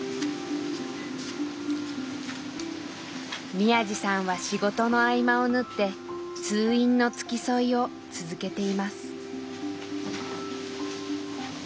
宮路さんは仕事の合間を縫って通院の付き添いを続けています。